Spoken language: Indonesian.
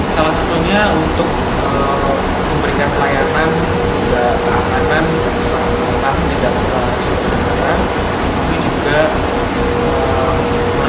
salah satunya untuk memberikan kelayakan dan kerahkanan untuk penumpang di daerah tanjung perak surabaya